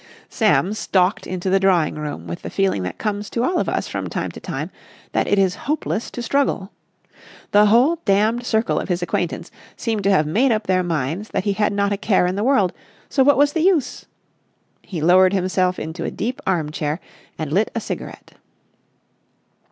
Sam stalked into the drawing room with the feeling that comes to all of us from time to time, that it is hopeless to struggle. The whole damned circle of his acquaintance seemed to have made up their minds that he had not a care in the world, so what was the use? He lowered himself into a deep arm chair and lit a cigarette.